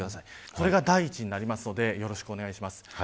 これが第一なのでよろしくお願いします。